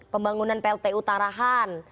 pembangunan plt utarahan